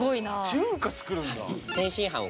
中華作るんだ。